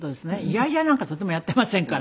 嫌々なんかとてもやっていませんから。